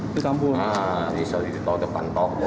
di situ di depan toko